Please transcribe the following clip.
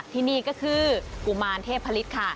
ที่นี่ก็คือกุมารเทพฤษค่ะ